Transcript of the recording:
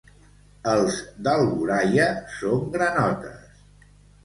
Els d'Alboraia són granotes.